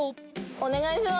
お願いしま